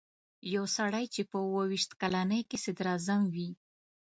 یو سړی چې په اووه ویشت کلنۍ کې صدراعظم وي.